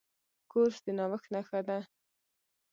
کورس د نوښت نښه ده.